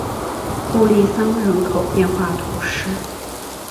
穆利桑人口变化图示